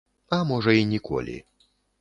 А можа, і ніколі.